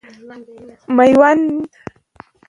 میوند